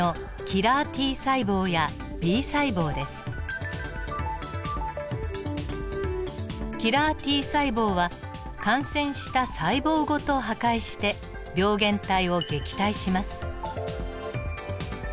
キラーＴ細胞は感染した細胞ごと破壊して病原体を撃退します。